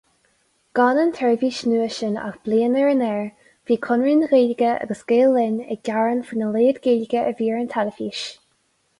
Gan an tseirbhís nua sin ach bliain ar an aer, bhí Conradh na Gaeilge agus Gael-Linn ag gearán faoina laghad Gaeilge a bhí ar an teilifís.